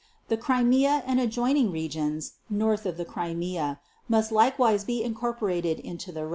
The Crimea and adjoining regions (north of the Crimea) must likewise be incorporated into the Reich.